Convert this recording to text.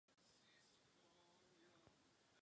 Rybolov tuňáka obecného je globální záležitostí.